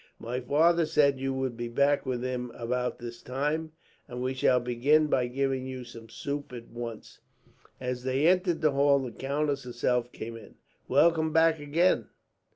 My father said you would be back with him about this time, and we shall begin by giving you some soup, at once." As they entered the hall, the countess herself came down. "Welcome back again!